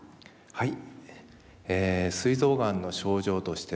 はい。